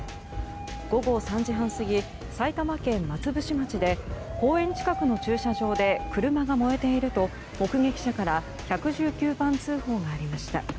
午後３時半過ぎ埼玉県松伏町で公園近くの駐車場で車が燃えていると目撃者から１１９番通報がありました。